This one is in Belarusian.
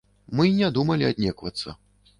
Мы і не думалі аднеквацца.